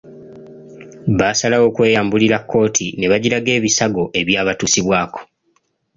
Baasalawo okweyambulira kkooti nga bagiraga ebisago ebyabatuusibwako.